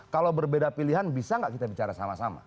kalau berbeda pilihan bisa nggak kita bicara sama sama